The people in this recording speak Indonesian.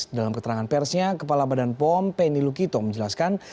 dalam keterangan persnya kepala badan pom penny lukito menjelaskan